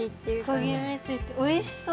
こげめついておいしそう。